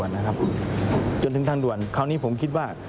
นะครับจนถึงทางด่วนคราวนี้ผมคิดว่า